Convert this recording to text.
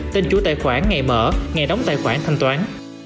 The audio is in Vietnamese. tên chủ tài khoản ngày mở ngày đóng tài khoản thanh toán